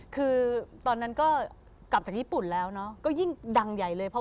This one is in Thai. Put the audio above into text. คือตอนนั้นก็กลับจากญี่ปุ่นแล้วเนาะก็ยิ่งดังใหญ่เลย